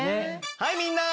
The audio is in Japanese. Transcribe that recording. はいみんな！